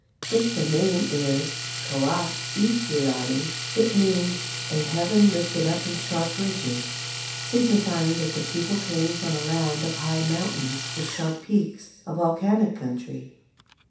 If the name is Kua i he lani, it means "a heaven lifted up in sharp ridges," signifying that the people came from a land of high mountains with sharp peaks, a volcanic country.